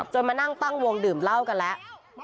มานั่งตั้งวงดื่มเหล้ากันแล้ว